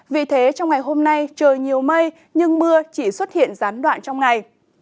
vì thế trong ngày hôm nay trời nhiều mây nhưng mưa chỉ xuất hiện gián đoạn trong ngày